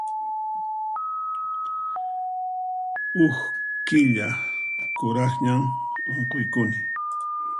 Huk killa kuraqñam unquykuni.